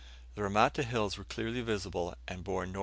The Ramata Hills were clearly visible, and bore N.N.